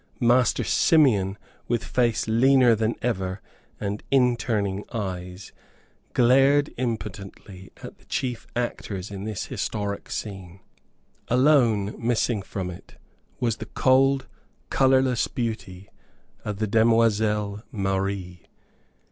Master Simeon, with face leaner than ever and inturning eyes, glared impotently at the chief actors in this historic scene. Alone missing from it was the cold, colorless beauty of the demoiselle Marie.